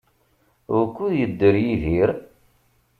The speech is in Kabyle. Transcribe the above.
Wukud yedder Yidir?